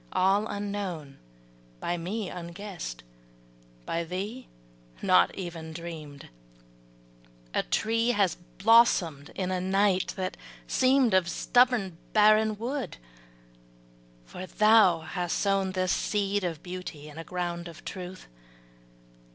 All unknown, By me unguessed, by thee not even dreamed, A tree has blossomed in a night that seemed Of stubborn, barren wood. For thou hast sown This seed of beauty in a ground of truth.